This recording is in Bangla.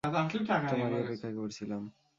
তোমারই অপেক্ষায় করছিলাম।